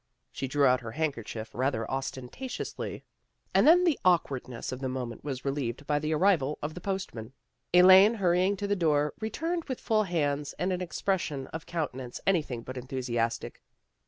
She drew out her handkerchief rather ostentatiously, and then the awkward 138 THE GIRLS OF FRIENDLY TERRACE ness of the moment was relieved by the arrival of the postman. Elaine, hurrying to the door, returned with full hands and an expression of countenance anything but enthusiastic.